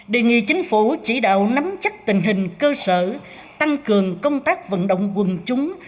đề nghị chính phủ chỉ đạo nắm chắc tình hình cơ sở tăng cường công tác vận động quân chúng